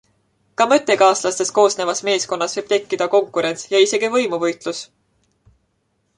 Ka mõttekaaslastest koosnevas meeskonnas võib tekkida konkurents ja isegi võimuvõitlus.